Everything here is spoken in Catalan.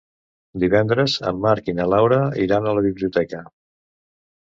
Divendres en Marc i na Laura iran a la biblioteca.